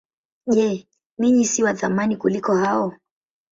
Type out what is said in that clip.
Je, ninyi si wa thamani kuliko hao?